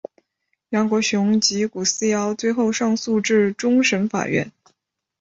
梁国雄及古思尧最后上诉至终审法院。